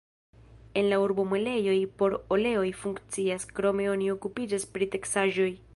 En la urbo muelejoj por oleoj funkcias, krome oni okupiĝas pri teksaĵoj.